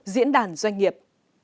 diễn đàn doanh nghiệp